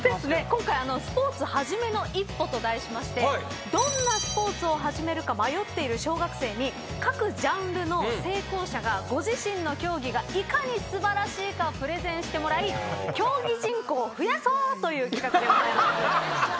今回スポーツはじめの一歩と題しましてどんなスポーツを始めるか迷っている小学生に各ジャンルの成功者がご自身の競技がいかに素晴らしいかをプレゼンしてもらい競技人口を増やそうという企画でございます。